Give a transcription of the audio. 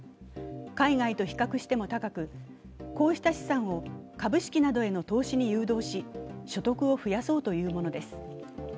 海外と比較しても高く、こうした資産を株式などへの投資に誘導し、所得を増やそうというものです。